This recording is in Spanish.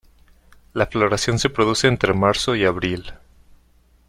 La floración se produce entre marzo y abril.